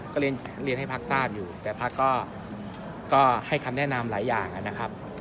ก็เรียนให้พักทราบอยู่แต่พักก็ให้คำแนะนำหลายอย่างนะครับ